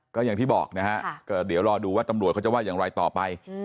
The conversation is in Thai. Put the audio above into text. ก็อย่างที่บอกนะฮะก็เดี๋ยวรอดูว่าตำรวจเขาจะว่าอย่างไรต่อไป